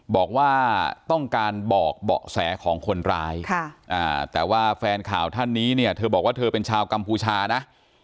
บอกว่าต้องการบอกเบาะแสของคนร้ายแต่ว่าแฟนข่าวท่านนี้เนี่ยเธอบอกว่าเธอเป็นชาวกัมพูชานะ